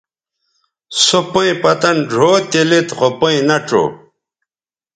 سو پئیں پتَن ڙھؤ تے لید خو پئیں نہ ڇؤ